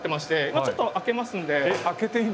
今ちょっと開けますんで。